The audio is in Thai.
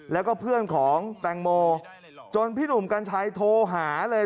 แล้วก็เพื่อนของแตงโมจนพี่หนุ่มกัญชัยโทรหาเลย